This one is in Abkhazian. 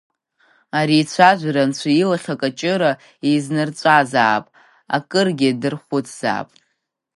Ари ицәажәара Анцәа илахь акаҷыра еизнарҵәазаап, акыргьы дархәцзаап.